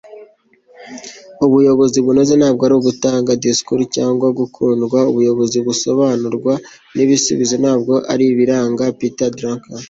ubuyobozi bunoze ntabwo ari ugutanga disikuru cyangwa gukundwa; ubuyobozi busobanurwa n'ibisubizo ntabwo ari ibiranga. - peter drucker